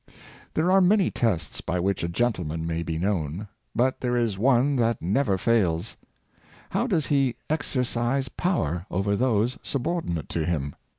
There are many tests by which a gentleman may be known; but there is one that never fails — How does he exercise 'power over those subordinate to him